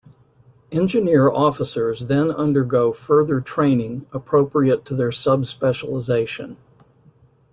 Engineer Officers then undergo further training appropriate to their sub-specialisation.